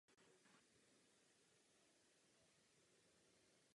Zastupoval volební obvod Moravská Třebová.